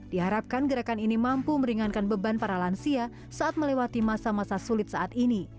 diharapkan gerakan ini mampu meringankan beban para lansia saat melewati masa masa sulit saat ini